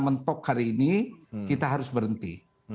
mentok hari ini kita harus berhenti